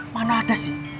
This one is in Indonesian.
mana ada sih